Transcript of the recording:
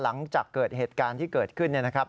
หลังจากเกิดเหตุการณ์ที่เกิดขึ้นเนี่ยนะครับ